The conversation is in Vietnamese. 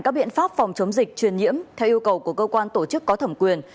các biện pháp phòng chống dịch truyền nhiễm theo yêu cầu của cơ quan tổ chức có thẩm quyền